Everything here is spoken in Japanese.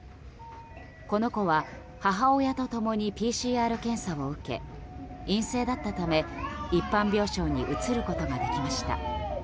この子は母親と共にＰＣＲ検査を受け陰性だったため、一般病床に移ることができました。